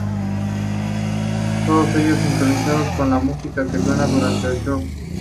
Todos ellos sincronizados con la música que suena durante el show.